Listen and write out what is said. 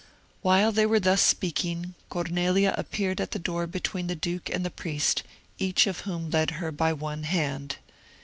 While they were thus speaking, Cornelia appeared at the door between the duke and the priest, each of whom led her by one hand.